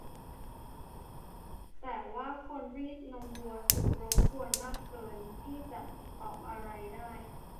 แต่ว่าคนรีดนมวัวถูกรบกวนมากเกินไปที่จะตอบอะไรได้